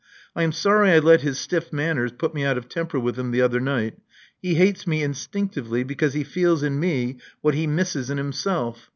I am sorry I let his stiff manners put me out of temper with him the other night. He hates me instinctively because he feels in me what he misses in himself.